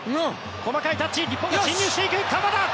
細かいタッチ日本が進入していく、鎌田。